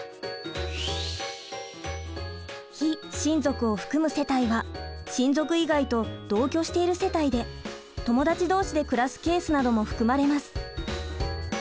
非親族を含む世帯は親族以外と同居している世帯で友達同士で暮らすケースなども含まれます。